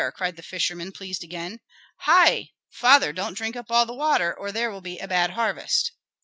cried the fisherman, pleased again. "Hei! father, don't drink up all the water, or there will be a bad harvest."